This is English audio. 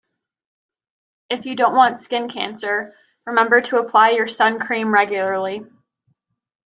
If you don't want skin cancer, remember to apply your suncream regularly